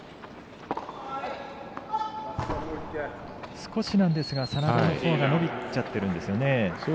少しなんですが眞田のほうが伸びちゃってるんですよね。